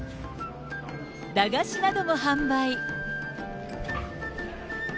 駄菓子なども販売。